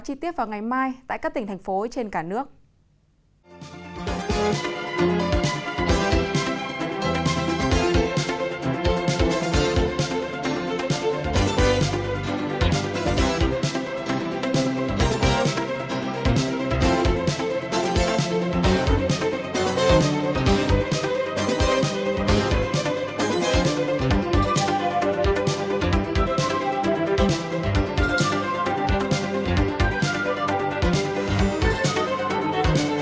chi tiết vào ngày mai tại các tỉnh thành phố trên cả nước